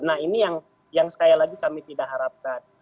nah ini yang sekali lagi kami tidak harapkan